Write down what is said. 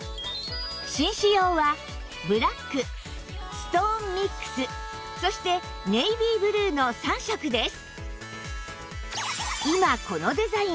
紳士用はブラックストーンミックスそしてネイビーブルーの３色です